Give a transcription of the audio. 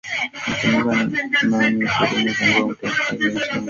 makinika nami karume sangamwe mtayarishaji na masimulizi ya makala hii